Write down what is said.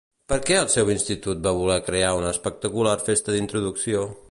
Per què el seu institut va voler crear una espectacular festa d'introducció?